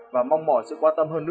và mong mỏi sự quan tâm hơn nữa